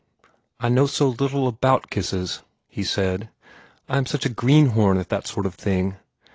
"I know so little about kisses," he said; "I am such a greenhorn at that sort of thing.